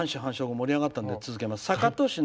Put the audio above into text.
盛り上がったので続けます。